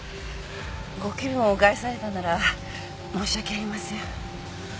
ご気分を害されたなら申し訳ありません。